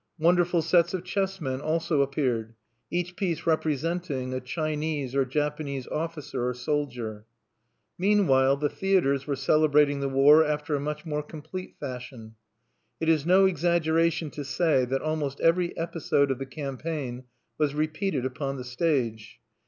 Wonderful sets of chessmen also appeared, each piece representing a Chinese or Japanese officer or soldier. Meanwhile, the theatres were celebrating the war after a much more complete fashion. It is no exaggeration to say that almost every episode of the campaign was repeated upon the stage.